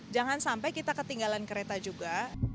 jangan sampai kita ketinggalan kereta juga